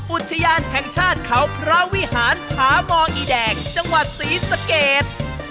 อุทยานแห่งชาติเขาพระวิหารผามองอีแดงจังหวัดศรีสะเกด